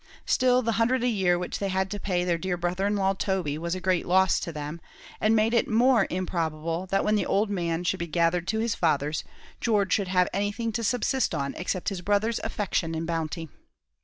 Still the hundred a year which they had to pay their dear brother in law, Toby, was a great loss to them, and made it more improbable that when the old man should be gathered to his fathers, George should have anything to subsist on except his brother's affection and bounty.